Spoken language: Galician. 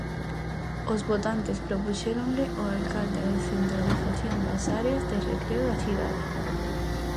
Os votantes propuxéronlle ao alcalde a descentralización das áreas de recreo da cidade.